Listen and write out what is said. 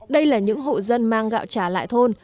đây là những hộ dân mang gạo trả lại thôn